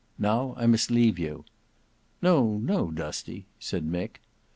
Now I must leave you." "No, no, Dusty," said Mick.